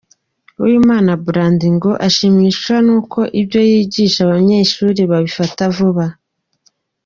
Uwimana Blandy ngo ashimishwa n’uko ibyo yigisha abanyeshuri babifata vuba.